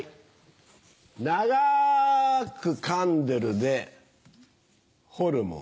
長く「噛んでる」でホルモン。